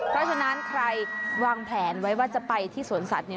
เพราะฉะนั้นใครวางแผนไว้ว่าจะไปที่สวนสัตว์